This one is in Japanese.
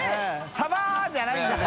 サバ！」じゃないんだね